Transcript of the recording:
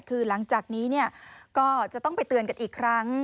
คือหลังจากนี้ก็จะต้องไปเตือนกันอีกครั้ง